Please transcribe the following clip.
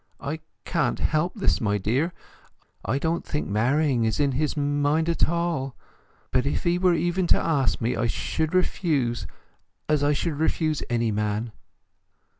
"I can't help this, my dear! I don't think marrying is in his mind at all; but if he were ever to ask me I should refuse him, as I should refuse any man."